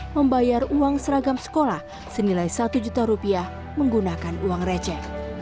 membayar uang seragam sekolah senilai satu juta rupiah menggunakan uang receh